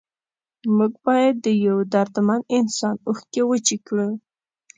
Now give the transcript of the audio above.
موږ باید د یو دردمند انسان اوښکې وچې کړو.